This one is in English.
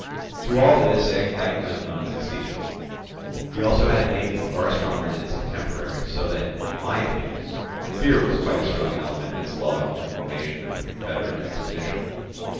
To all this Agamemnon succeeded. He had also a navy far stronger than his contemporaries, so that, in my opinion, fear was quite as strong an element as love in the formation of the confederate expedition.